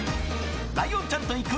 ライオンちゃんと行く！